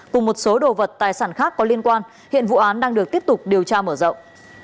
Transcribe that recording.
cùng một số đồ vật tài sản khác có liên quan hiện vụ án đang được tiếp tục điều tra mở rộng